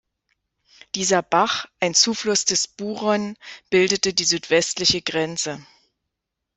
Dieser Bach, ein Zufluss des Buron, bildet die südwestliche Grenze.